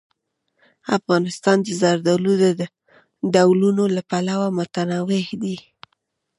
افغانستان د زردالو د ډولونو له پلوه متنوع دی.